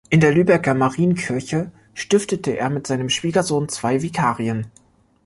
In der Lübecker Marienkirche stiftete er mit seinem Schwiegersohn zwei Vikarien.